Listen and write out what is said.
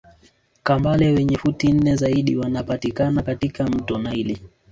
Kambale wenye futi nne zaidi wanapatikana katika mto naili